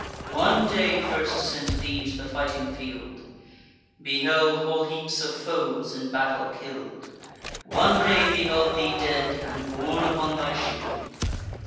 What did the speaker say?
One day first sent thee to the fighting field, Beheld whole heaps of foes in battle kill'd; One day beheld thee dead, and borne upon thy shield.